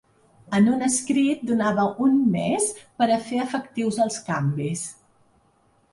En un escrit, donava un mes per a fer efectius els canvis.